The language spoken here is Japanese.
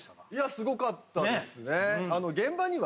すごかったですね。